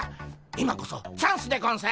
今こそチャンスでゴンス。